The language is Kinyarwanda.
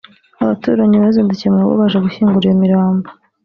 abaturanyi bazindukiye mu rugo baje gushyingura iyo mirambo